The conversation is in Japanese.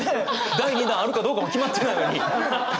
第２弾あるかどうかも決まってないのに。